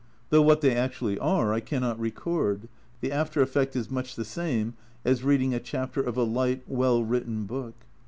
Though what they actually are I cannot record, the after effect is much the same as reading a chapter of a light, well written book.